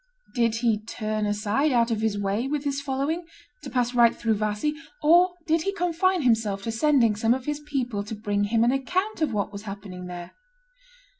Did he turn aside out of his way with his following, to pass right through Vassy, or did he confine himself to sending some of his people to bring him an account of what was happening there?